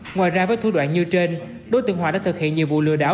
ngoài ra với thủ đoạn như trên đối tượng hòa đã thực hiện nhiều vụ lừa đảo